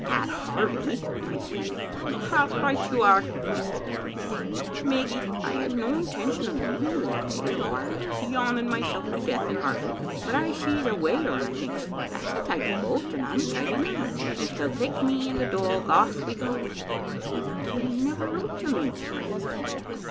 "'AtHarvie,' I said. "'Right you are,' said he good naturedly. 'Meg gie, I had no intention of leaving you that day, though I was yawning myself to death in Harvie ; but I sees a whaler, and I thinks, "That's a tidy boat, and I'm a tidy man, and if they'll take me and the dog, ofiE we go " 'You never wrote to me,' Margaret said.